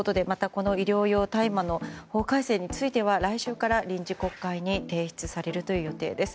、この医療用大麻の法改正については来週から臨時国会に提出される予定です。